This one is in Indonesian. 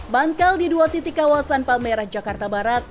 bangkal di dua titik kawasan palmerah jakarta barat